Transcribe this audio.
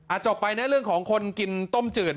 อะจบไปเนี่ยเลยของคนกินต้มจืด